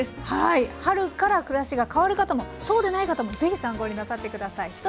はい春から暮らしが変わる方もそうでない方もぜひ参考になさって下さい。